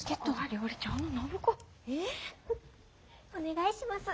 お願いします。